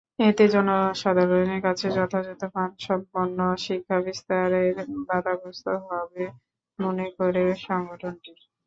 এতে জনসাধারণের কাছে যথাযথ মানসম্পন্ন শিক্ষা বিস্তারের বাধাগ্রস্ত হবে মনে করে সংগঠনটি।